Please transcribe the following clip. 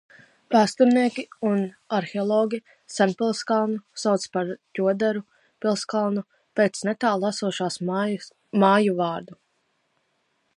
Vēsturnieki un arheologi senpilskalnu sauc par Ķoderu pilskalnu pēc netālu esošo māju vārda.